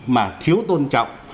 mà thiếu tôn trọng